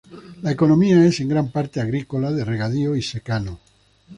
La economía es en gran parte agrícola de regadío y secano.